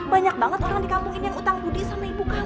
banyak banget orang di kampung ini yang utang kudi sama ibu kamu